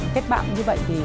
kết bạn như vậy thì